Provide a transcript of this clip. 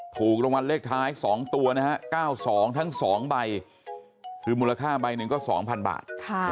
ถูกรางวัลเลขท้าย๒ตัวนะฮะ๙๒ทั้ง๒ใบคือมูลค่าใบหนึ่งก็๒๐๐บาท